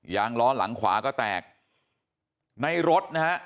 ล้อหลังขวาก็แตกในรถนะฮะ